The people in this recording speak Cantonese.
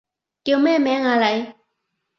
叫咩名啊你？